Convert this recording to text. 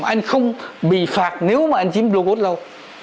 anh không bị phạt nếu mà anh chiếm lô cốt lâu